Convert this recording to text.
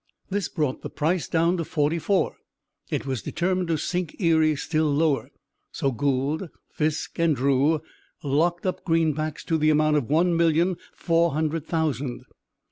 This brought the price down to 44. It was determined to sink Erie still lower, so Gould, Fisk and Drew locked up greenbacks to the amount of one million four hundred thousand.